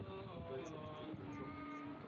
আর এই সত্যই জগতের সর্বত্র প্রতিষ্ঠা লাভ করিতেছে।